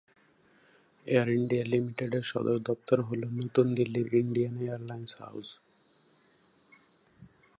Air India লিমিটেডের সদর দপ্তর হল নতুন দিল্লির ইন্ডিয়ান এয়ারলাইন্স হাউস।